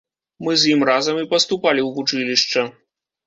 Мы з ім разам і паступалі ў вучылішча.